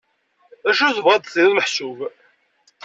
D acu tebɣiḍ ad d-tiniḍ meḥsub?